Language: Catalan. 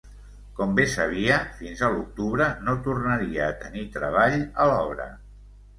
Com bé sabia, fins a l'octubre no tornaria a tenir treball a l'obra.